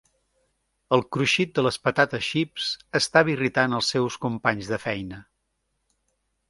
El cruixit de les patates xips estava irritant els seus companys de feina.